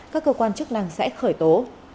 các cơ quan chức năng sẽ khởi tố